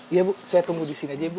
iya bu saya tunggu di sini aja ya bu